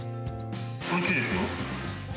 おいしいですよ。